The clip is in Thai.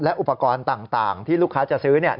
และอุปกรณ์ต่างที่ลูกค้าจะซื้อ